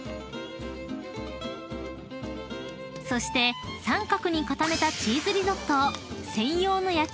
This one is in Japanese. ［そして三角に固めたチーズリゾットを］